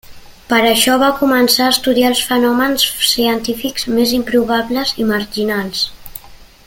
Per això va començar a estudiar els fenòmens científics més improbables i marginals.